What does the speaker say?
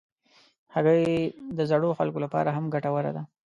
هګۍ د زړو خلکو لپاره هم ګټوره ده.